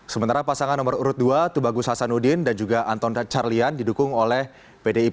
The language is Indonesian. sementara pasangan nomor urut dua tubagus hasanuddin dan juga anton carlyan didukung oleh pdi perjalanan